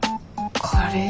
カレー？